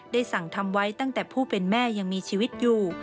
สั่งทำไว้ตั้งแต่ผู้เป็นแม่ยังมีชีวิตอยู่